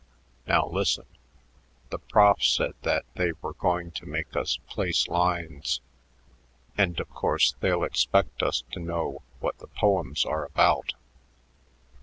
Now listen; the prof said that they were going to make us place lines, and, of course, they'll expect us to know what the poems are about.